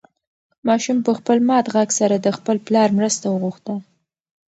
ماشوم په خپل مات غږ سره د خپل پلار مرسته وغوښته.